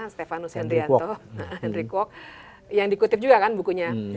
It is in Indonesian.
stefanus hendrianto andriko yang dikutip juga kan bukunya